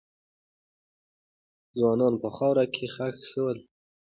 ځوانان په خاورو کې خښ سوي ول.